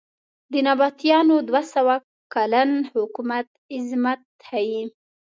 د نبطیانو دوه سوه کلن حکومت عظمت ښیې.